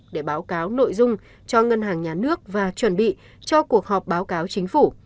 để báo cáo nội dung cho ngân hàng nhà nước và chuẩn bị cho cuộc họp báo cáo chính phủ